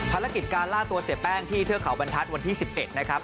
ภารกิจการล่าตัวเสียแป้งที่เทือกเขาบรรทัศน์วันที่๑๑นะครับ